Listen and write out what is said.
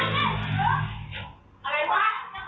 ล้อวท่านไรเหรอเนม